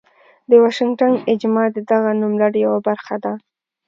د واشنګټن اجماع د دغه نوملړ یوه برخه ده.